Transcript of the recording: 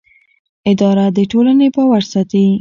اداره د ټولنې باور ساتي.